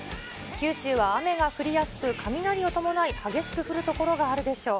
九州は雨が降りやすく、雷を伴い、激しく降る所があるでしょう。